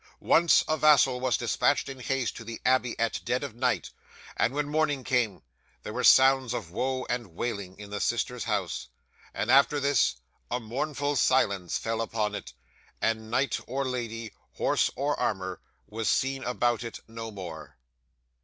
Once, a vassal was dispatched in haste to the abbey at dead of night, and when morning came, there were sounds of woe and wailing in the sisters' house; and after this, a mournful silence fell upon it, and knight or lady, horse or armour, was seen about it no more.